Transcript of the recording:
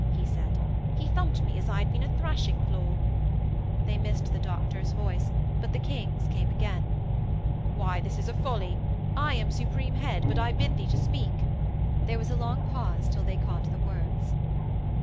he said. 'He thumped me as I had been a thrashing floor.' They missed the Doctor's voice but the King's came again. 'Why, this is a folly. I am Supreme Head, but I bid thee to speak.' There was a long pause till they caught the words.